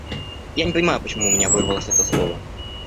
Я не понимаю, почему у меня вырвалось это слово.